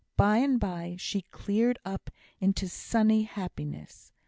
By and by she cleared up into sunny happiness.